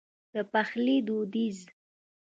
د پخلي دوديز